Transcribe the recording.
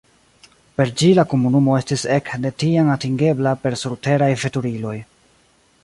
Per ĝi la komunumo estis ek de tiam atingebla per surteraj veturiloj.